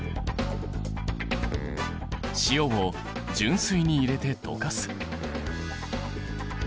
塩を純水に入れて溶かす。